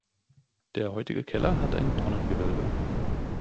Der heutige Keller hat ein Tonnengewölbe.